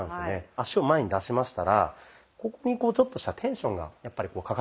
足を前に出しましたらここにちょっとしたテンションがかかってきます。